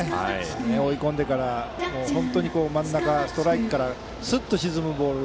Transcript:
追い込んでから真ん中、ストライクからすっと沈むボール。